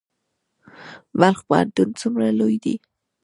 بلخ پوهنتون څومره لوی دی؟